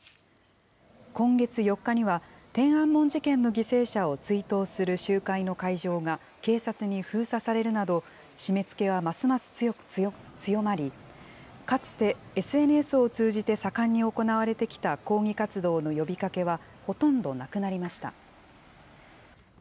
今月４日には、天安門事件の犠牲者を追悼する集会の会場が、警察に封鎖されるなど、締めつけはますます強まり、かつてＳＮＳを通じて、盛んに行われてきた抗議活動の呼びかけはほとんどなくなりました。